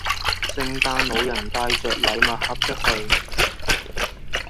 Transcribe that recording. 聖誕老人帶着禮物盒出去